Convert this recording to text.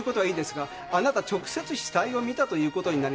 あなた直接死体を見たということになります。